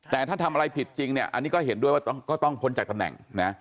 แต่ถ้าทำอะไรผิดจริงเนี่ยอันนี้ก็เห็นด้วยว่าก็ต้องพ้นจากตำแหน่งนะ